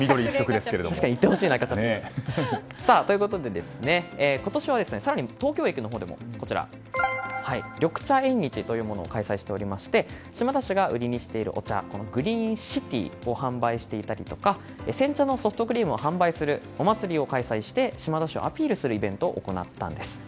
行ってほしいな。ということで今年は更に東京駅のほうでも緑茶縁日というものを開催しておりまして島田市が売りにしているお茶ＧｒｅｅｎＣｉ‐Ｔｅａを販売していたりとか煎茶のソフトクリームを販売するお祭りを開催して島田市をアピールするイベントを行ったんです。